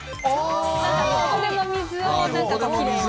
どこでも水をきれいに。